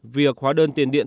việc hóa đơn tiền điện